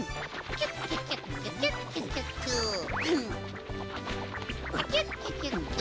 キュッキュキュッキュ。